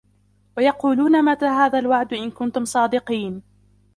وَيَقُولُونَ مَتَى هَذَا الْوَعْدُ إِنْ كُنْتُمْ صَادِقِينَ